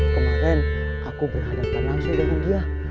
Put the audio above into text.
kemarin aku berhadapan langsung dengan dia